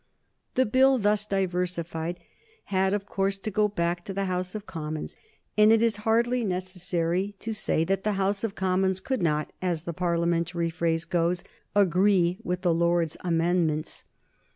The Bill thus diversified had, of course, to go back to the House of Commons, and it is hardly necessary to say that the House of Commons could not, as the Parliamentary phrase goes, agree with the Lords' amendments.